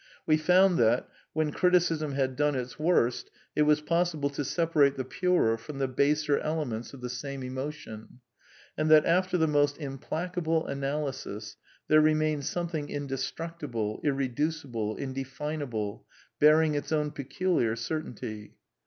We found that, when criticism had done its worst, it was possible to separate the purer from the baser elements of the same emotion; and that after the most implacable analysis there re mained something indestructible, irreducible, indefinable, bearing its own peculiar certainty.